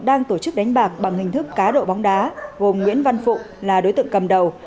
đang tổ chức đánh bạc bằng hình thức cá độ bóng đá gồm nguyễn văn phụ là đối tượng cầm đầu